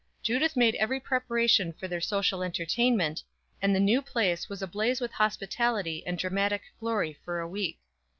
Judith made every preparation for their social entertainment, and the "New Place" was ablaze with hospitality and dramatic glory for a week.